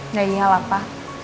nggak iyalah pa